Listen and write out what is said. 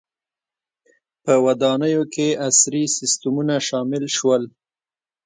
• په ودانیو کې عصري سیستمونه شامل شول.